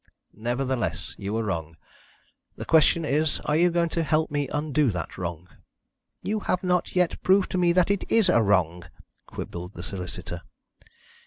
"Nevertheless, you were wrong. The question is, are you going to help me undo that wrong?" "You have not yet proved to me that it is a wrong," quibbled the solicitor.